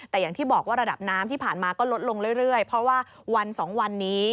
แต่อย่างที่บอกว่าระดับน้ำที่ผ่านมาก็ลดลงเรื่อยเพราะว่าวันสองวันนี้